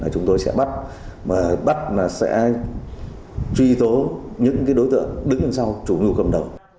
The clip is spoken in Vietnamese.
chúng tôi sẽ bắt bắt và sẽ truy tố những đối tượng đứng bên sau chủ nhu cầm đầu